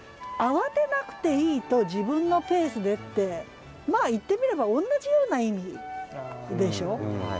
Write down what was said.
「慌てなくていい」と「自分のペースで」ってまあ言ってみればおんなじような意味でしょう？